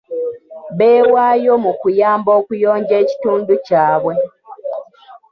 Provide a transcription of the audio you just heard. Beewayo mu kuyamba okuyonja ekitundu kyabwe.